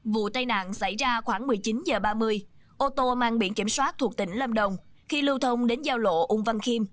vụ tai nạn xảy ra khoảng một mươi chín h ba mươi ô tô mang biển kiểm soát thuộc tỉnh lâm đồng khi lưu thông đến giao lộ ung văn khiêm